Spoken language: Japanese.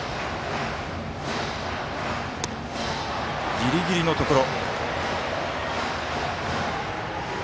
ギリギリのところ。